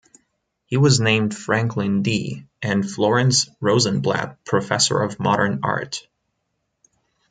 He was named Franklin D. and Florence Rosenblatt Professor of Modern Art.